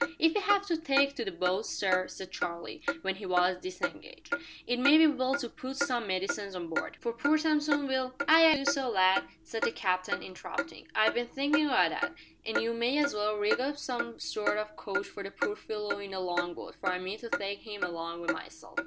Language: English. "If we have to take to the boats, sir," said Charlie, when he was disengaged, "it may be well to put some medicines on board, for poor Samson will " "Ay, ay, do so, lad," said the captain, interrupting; "I've been thinkin' o' that, an' you may as well rig up some sort o' couch for the poor fellow in the long boat, for I mean to take him along wi' myself."